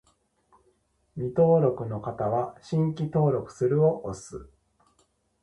未登録の方は、「新規登録する」を押す